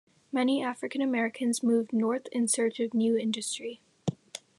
Many African Americans moved north in search of new industry.